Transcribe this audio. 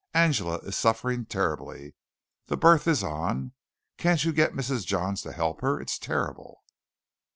Angela is suffering terribly. The birth is on. Can't you get Mrs. Johns to help her? It's terrible!"